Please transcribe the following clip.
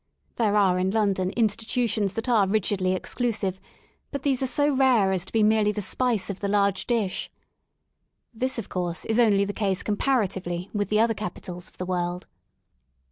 There are in London institutions that are rigidly ex clusive, but these are so rare as to be merely the spice of the large dish* This, of course, is only the case com paratively with the other capitals of the world.